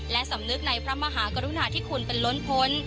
และสำนึกในพระมหากรุณาที่คุณเป็นล้นพ้น